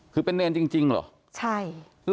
คือเป็นเนรจริงเหรอใช่